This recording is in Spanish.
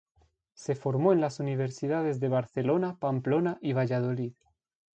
Se formó en las universidades de Barcelona, Pamplona y Valladolid.